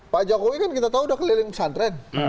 pak jokowi kan kita tahu udah keliling santren